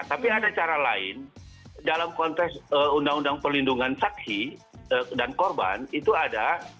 tapi ada cara lain dalam konteks undang undang perlindungan saksi dan korban itu ada